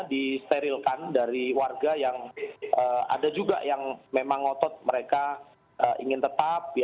disterilkan dari warga yang ada juga yang memang ngotot mereka ingin tetap